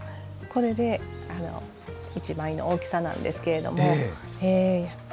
これで１枚の大きさなんですけれども。